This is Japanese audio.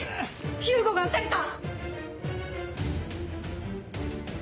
雄吾が撃たれた！